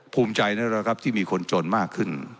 ภูมิใจนะครับที่มีคนจนมากขึ้น